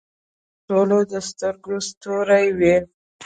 • صداقت د ټولو د سترګو ستوری وي.